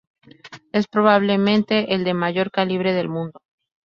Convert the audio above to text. Es probablemente el de mayor calibre del mundo.